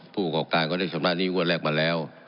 ผู้ประกอบการก็ได้ชำระหนี้งวดแรกมาแล้ว